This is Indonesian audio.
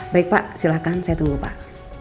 baik pak silahkan saya tunggu pak